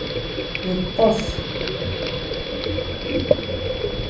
Yeṭṭeṣ.